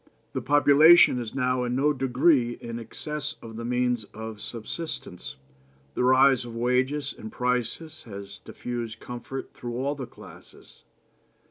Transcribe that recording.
The population is now in no degree in excess of the means of subsistence. The rise of wages and prices has diffused comfort through all classes.